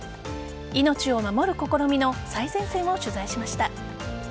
命を守る試みの最前線を取材しました。